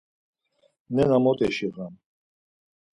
Nena mot eşiğam!